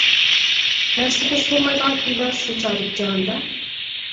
بەرسە خوش بولمايدىغان كىم بار شۇ چاغدىكى جاھاندا؟ !